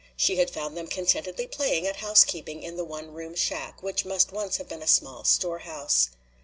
She had found them contentedly playing at housekeeping in the one room shack, which must once have been a small storehouse.